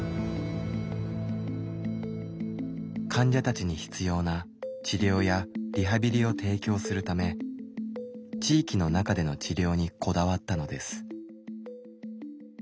患者たちに必要な治療やリハビリを提供するため地域の中での治療にこだわったのです。